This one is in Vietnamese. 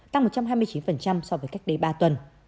tăng một trăm hai mươi chín so với cách đây ba tuần